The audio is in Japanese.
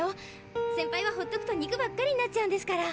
センパイはほっとくと肉ばっかりになっちゃうんですから。